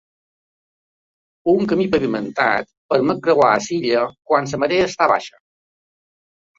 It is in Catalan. Un camí pavimentat permet creuar a l'illa quan la marea està baixa.